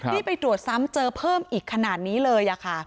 นี่ไปตรวจซ้ำเจอเพิ่มอีกขนาดนี้เลยค่ะ